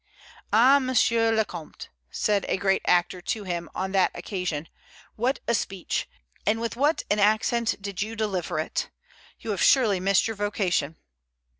"Ah, Monsieur le Comte," said a great actor to him on that occasion, "what a speech: and with what an accent did you deliver it! You have surely missed your vocation."